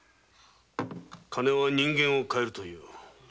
金は人間を変えるという。